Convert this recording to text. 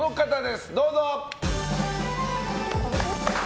どうぞ！